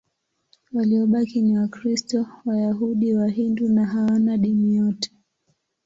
Waliobaki ni Wakristo, Wayahudi, Wahindu au hawana dini yote.